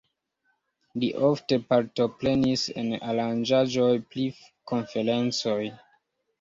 Li ofte partoprenis en aranĝaĵoj pri konferencoj.